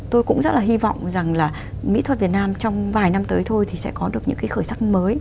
tôi cũng rất là hy vọng rằng là mỹ thuật việt nam trong vài năm tới thôi thì sẽ có được những cái khởi sắc mới